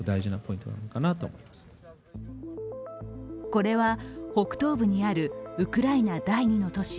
これは北東部にあるウクライナ第２の都市